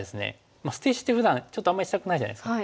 まあ捨て石ってふだんちょっとあんまりしたくないじゃないですか。